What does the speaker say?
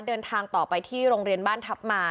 เดินทางต่อไปที่โรงเรียนบ้านทัพมา